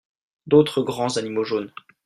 D'autres grands animaux jaunes.